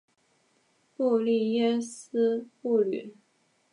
布利耶斯布吕。